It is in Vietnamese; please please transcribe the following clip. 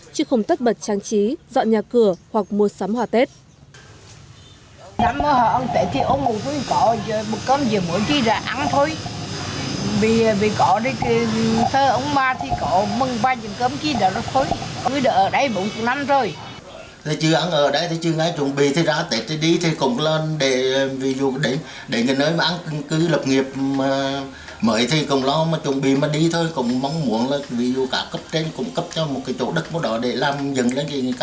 chứ không tất bật trang trí dọn nhà cửa hoặc mua sắm hòa tết